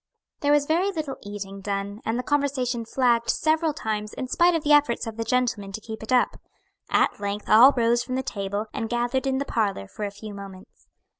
There was very little eating done, and the conversation flagged several times in spite of the efforts of the gentlemen to keep it up. At length all rose from the table, and gathered in the parlor for a few moments.